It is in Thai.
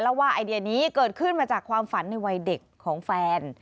แล้วว่าไอเดียนี้เกิดขึ้นมาจากความฝันในวัยเด็กของแฟน